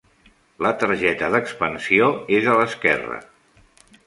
La targeta d'expansió és a l'esquerra.